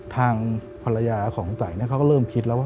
ทางภรรยาของตายเขาก็เริ่มคิดแล้วว่า